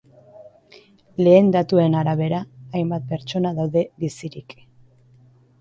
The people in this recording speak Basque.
Lehen datuen arabera, hainbat pertsona daude bizirik.